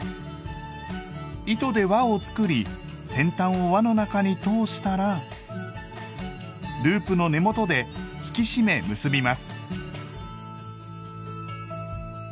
糸で輪を作り先端を輪の中に通したらループの根元で引き締め結びます。